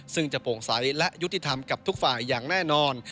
ซึ่งจะโปร่งใสและยุติธรรมกับทุกฝ่ายอย่างแน่นอน